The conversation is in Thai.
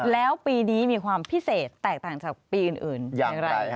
แล้วปีนี้มีความพิเศษแตกต่างจากปีอื่นอย่างไร